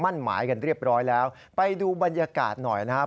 มั่นหมายกันเรียบร้อยแล้วไปดูบรรยากาศหน่อยนะครับ